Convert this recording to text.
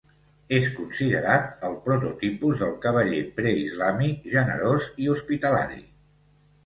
És considerat el prototipus del cavaller preislàmic, generós i hospitalari.